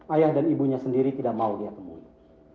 ayah dan ibunya sendiri tidak mau dia temui